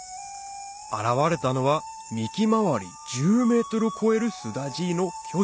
現れたのは幹回り１０ｍを超えるスダジイの巨樹